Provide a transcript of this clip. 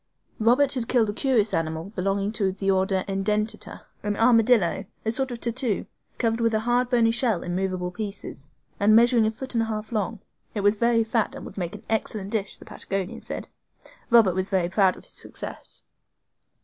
Robert had killed a curious animal belonging to the order EDENTATA, an armadillo, a sort of tatou, covered with a hard bony shell, in movable pieces, and measuring a foot and a half long. It was very fat and would make an excellent dish, the Patagonian said. Robert was very proud of his success.